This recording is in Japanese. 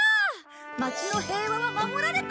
町の平和は守られた！